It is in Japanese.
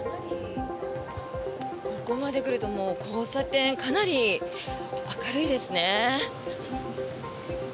ここまでくると交差点、かなり明るいですね。